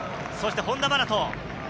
そして本田真斗。